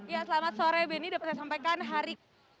ya selamat sore benny dapat saya sampaikan hari